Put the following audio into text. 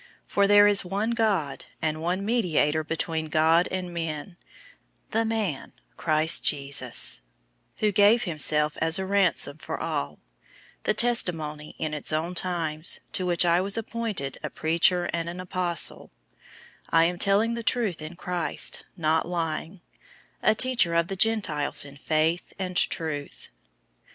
002:005 For there is one God, and one mediator between God and men, the man Christ Jesus, 002:006 who gave himself as a ransom for all; the testimony in its own times; 002:007 to which I was appointed a preacher and an apostle (I am telling the truth in Christ, not lying), a teacher of the Gentiles in faith and truth.